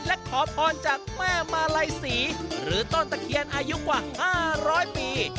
และขอพรจากแม่มาลัยศรีหรือต้นตะเคียนอายุกว่า๕๐๐ปี